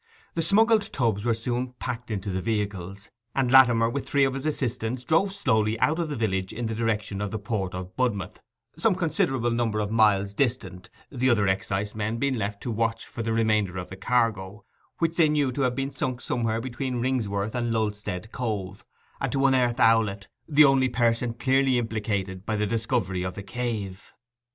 The smuggled tubs were soon packed into the vehicles, and Latimer, with three of his assistants, drove slowly out of the village in the direction of the port of Budmouth, some considerable number of miles distant, the other excisemen being left to watch for the remainder of the cargo, which they knew to have been sunk somewhere between Ringsworth and Lulstead Cove, and to unearth Owlett, the only person clearly implicated by the discovery of the cave.